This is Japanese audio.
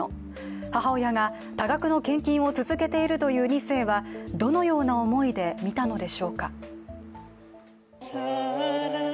母親が多額の献金を続けているという２世はどのような思いで見たのでしょうか。